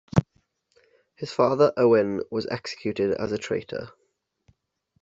His father, Owen, was executed as a traitor.